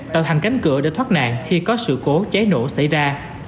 tạo hành cánh cửa để thoát nạn khi có sự cố cháy nổ xảy ra